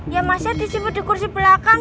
ya mas ya disimpan di kursi belakang